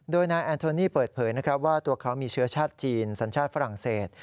โดยนายแอนโทนี่เปิดเผยนะครับว่าตัวเขามีเชื้อชาติจีนสัญชาติฝรั่งเศส